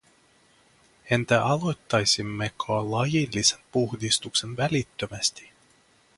Entä aloittaisimmeko lajillisen puhdistuksen välittömästi?